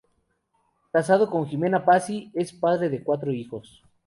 Casado con Ximena Passi, es padre de cuatro hijos.